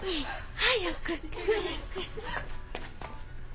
早く早く！